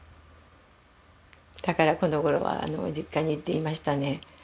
だからこのごろは実家に行って言いましたね。